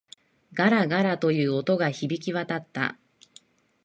ガラガラ、という音が響き渡った。